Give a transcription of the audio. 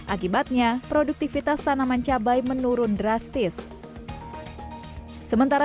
akibatnya produktivitas tanaman cabai menurun drastis